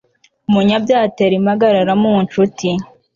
umunyabyaha atera impagarara mu ncuti